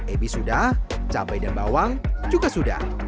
ebi sudah cabai dan bawang juga sudah